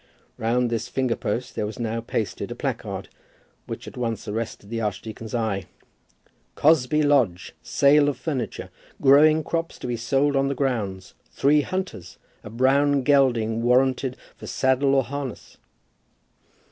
Round this finger post there was now pasted a placard, which at once arrested the archdeacon's eye: "Cosby Lodge Sale of furniture Growing crops to be sold on the grounds. Three hunters. A brown gelding warranted for saddle or harness!"